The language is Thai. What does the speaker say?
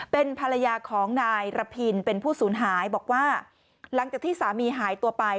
เป็นภรรยาของนายระพินเป็นผู้สูญหายบอกว่าหลังจากที่สามีหายตัวไป